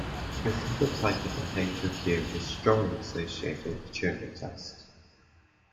This latter type of behavioral view is strongly associated with the Turing test.